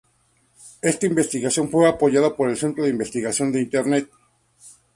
Esta investigación fue apoyada por el Centro de Investigación de Internet.